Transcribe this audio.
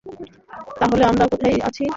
তাহলে, আমরা কোথায় আছি?